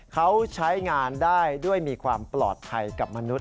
เขาใช้งานได้ด้วยมีความปลอดภัยกับมนุษย